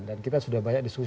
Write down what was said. dan kita sudah banyak diskusi